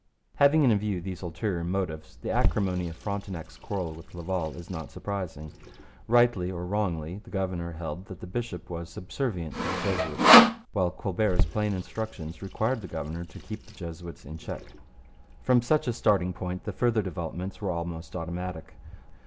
Having in view these ulterior motives, the acrimony of Frontenac's quarrel with Laval is not surprising. Rightly or wrongly, the governor held that the bishop was subservient to the Jesuits, while Colbert's plain instructions required the governor to keep the Jesuits in check. From such a starting point the further developments were almost automatic.